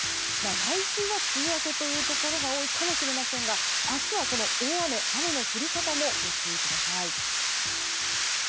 来週は梅雨明けというところが多いかもしれませんが明日は大雨、雨の降り方もご注意ください。